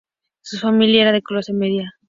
Su familia era de clase media.